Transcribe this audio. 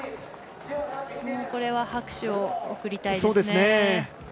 これは拍手を送りたいですね。